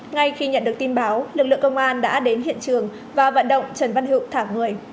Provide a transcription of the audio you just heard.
ngay khi nhận được tin báo lực lượng công an đã đến hiện trường và vận động trần văn hữu thả người